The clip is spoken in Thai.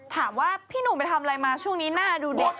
ถามว่าพี่หนุ่มไปทำอะไรมาช่วงนี้หน้าดูเด็ก